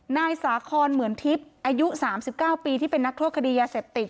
นายสาคอนเหมือนทิศอายุสามสิบเก้าปีที่เป็นนักโทษคดียาเศรษฐิกษ์